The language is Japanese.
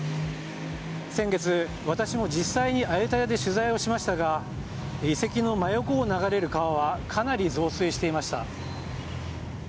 先月、私も実際にアユタヤで取材をしましたが遺跡の真横を流れる川はかなり増水していました。